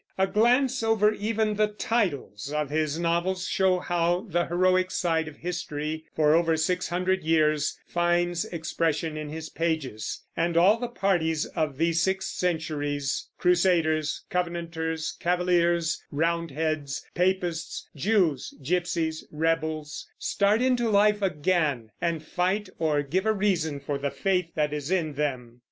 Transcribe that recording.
A glance over even the titles of his novels shows how the heroic side of history for over six hundred years finds expression in his pages; and all the parties of these six centuries Crusaders, Covenanters, Cavaliers, Roundheads, Papists, Jews, Gypsies, Rebels start into life again, and fight or give a reason for the faith that is in them.